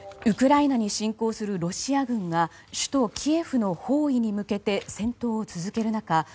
ウクライナに侵攻するロシア軍が首都キエフの包囲に向けて戦闘を続ける中